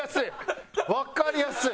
わかりやすい！